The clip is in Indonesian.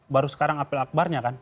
baru sekarang apel akbarnya kan